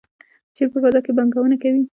چین په فضا کې هم پانګونه کوي.